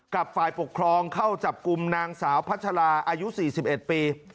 ฝ่ายปกครองเข้าจับกลุ่มนางสาวพัชราอายุ๔๑ปี